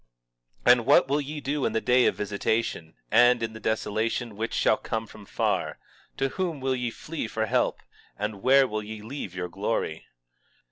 20:3 And what will ye do in the day of visitation, and in the desolation which shall come from far? to whom will ye flee for help? and where will ye leave your glory?